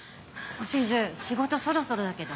おしず仕事そろそろだけど。